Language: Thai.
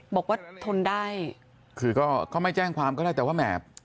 บอกว่าทนได้คือก็ก็ไม่แจ้งความก็ได้แต่ว่าแหม